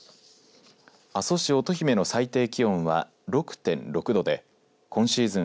阿蘇市乙姫の最低気温は６．６度で今シーズン